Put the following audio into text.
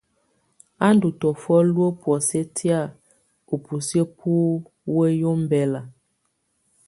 Á ndù tɔ̀ofɔ luǝ́ bɔ̀ósɛ tɛ̀á ú busiǝ́ bù wǝ̀yi ɔmbɛla.